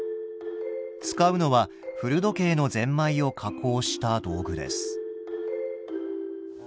使うのは古時計のゼンマイを加工した道具です。